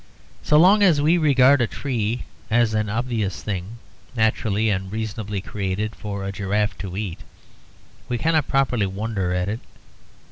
So long as we regard a tree as an obvious thing, naturally and reasonably created for a giraffe to eat, we cannot properly wonder at it.